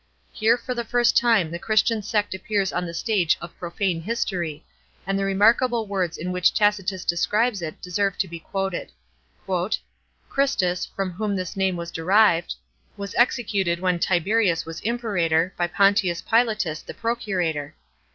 Here for the first time the Christian sect appears on the stage of profane history, and the remarkable words in which Taci tus describes it deserve to be quoted. *• Christus, from whom this name was derived, was executed when Tiberius was Imperator, by Pontius Pilatus the procurator.